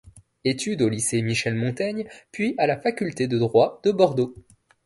Études au lycée Michel-Montaigne puis à la Faculté de droit de Bordeaux.